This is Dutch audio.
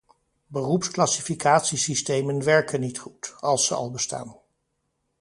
Beroepsclassificatiesystemen werken niet goed, als ze al bestaan.